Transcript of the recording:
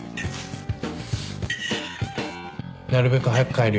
なるべく早く帰るよ。